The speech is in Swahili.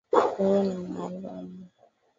Wewe ni maalumu.